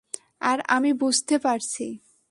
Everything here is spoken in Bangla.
আর আমি বুঝতে পারছি!